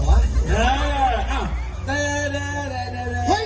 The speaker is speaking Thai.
โอ้โหดูหุ่นดูหุ่น